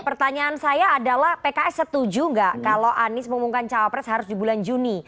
pertanyaan saya adalah pks setuju nggak kalau anies mengumumkan cawapres harus di bulan juni